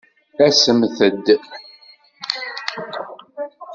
Asemt-d!